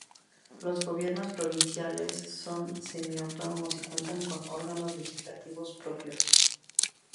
Los gobiernos provinciales son semi-autónomos y cuentan con órganos legislativos propios.